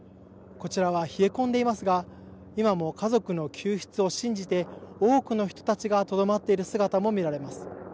こちらは冷え込んでいますが今も家族の救出を信じて多くの人たちがとどまっている姿も見られます。